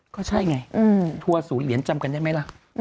ก็ใช่ไงทัวร์ศูนย์เหรียญจำกันได้ไหมล่ะ